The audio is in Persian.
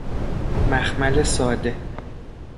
مخمل ساده